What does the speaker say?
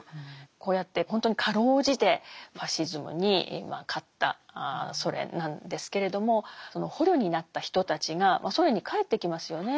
こうやってほんとにかろうじてファシズムにまあ勝ったソ連なんですけれどもその捕虜になった人たちがソ連に帰ってきますよね。